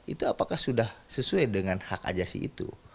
itu apakah sudah sesuai dengan hak ajasi itu